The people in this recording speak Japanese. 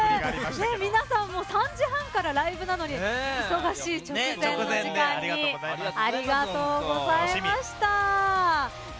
皆さんも３時半からライブなのに忙しい直前の時間にありがとうございました。